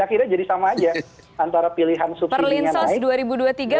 dan akhirnya jadi sama aja antara pilihan subsidi yang naik